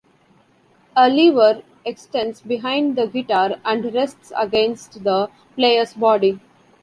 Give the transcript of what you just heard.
A lever extends behind the guitar and rests against the player's body.